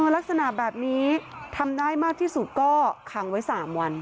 ลักษณะแบบนี้ทำได้มากที่สุดก็ขังไว้๓วัน